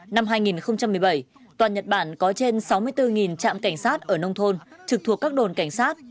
năm hai nghìn một mươi bảy toàn nhật bản có trên sáu mươi bốn trạm cảnh sát ở nông thôn trực thuộc các đồn cảnh sát